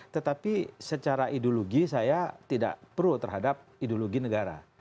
tetapi secara ideologi saya tidak pro terhadap ideologi negara